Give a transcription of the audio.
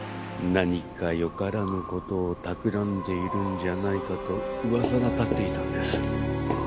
何かよからぬ事を企んでいるんじゃないかと噂が立っていたんです。